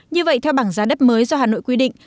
như vậy theo bảng giá đất mới do hà nội quy định